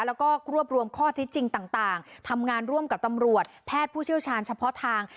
แล้วก็รวบรวมข้อเท็จจริงต่างทำงานร่วมกับตำรวจแพทย์ผู้เชี่ยวชาญเฉพาะทาง